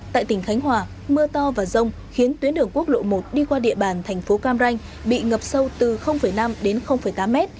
tại tỉnh khánh hòa mưa to và rông khiến tuyến đường quốc lộ một đi qua địa bàn thành phố cam ranh bị ngập sâu từ năm đến tám mét